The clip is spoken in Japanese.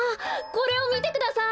これをみてください！